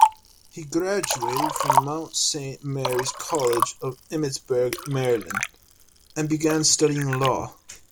He graduated from Mount Saint Mary's College of Emmitsburg, Maryland, and began studying law.